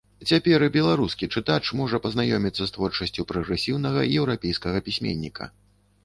Цяпер і беларускі чытач можа пазнаёміцца з творчасцю прагрэсіўнага еўрапейскага пісьменніка.